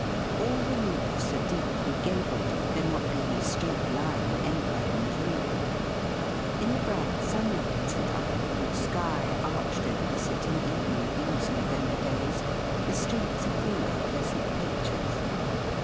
All the roofs are deeply gabled, there not being a straight line anywhere in view. In the bright sunUght and under the blue sky arched over the city even in these November days, the streets are full of pleasant pictures.